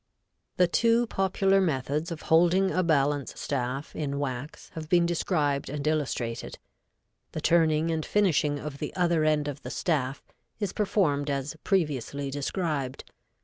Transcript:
The two popular methods of holding a balance staff in wax have been described and illustrated; the reader may take his choice. The turning and finishing of the other end of the staff is performed as previously described.